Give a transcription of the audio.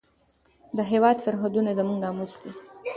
د هېواد سرحدونه زموږ ناموس دی.